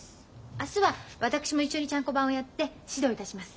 明日は私も一緒にちゃんこ番をやって指導いたします。